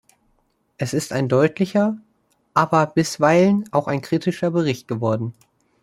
Es ist ein deutlicher, aber bisweilen auch kritischer Bericht geworden.